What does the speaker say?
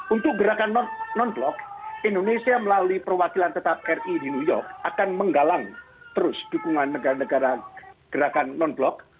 untuk gerakan non blok indonesia melalui perwakilan tetap ri di new york akan menggalang terus dukungan negara negara gerakan non blok